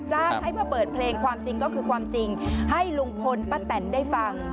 ให้มาเปิดเพลงความจริงก็คือความจริงให้ลุงพลป้าแตนได้ฟัง